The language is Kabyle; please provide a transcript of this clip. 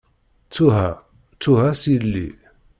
Ttuha, ttuha s yelli.